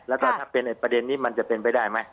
แล้วก็ถ้าเป็นประเด็นนี้มันจะเป็นไปได้ไหม